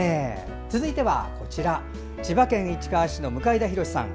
続いては千葉県市川市の向田弘さん。